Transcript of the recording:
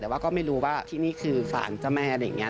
แต่ว่าก็ไม่รู้ว่าที่นี่คือสารเจ้าแม่อะไรอย่างนี้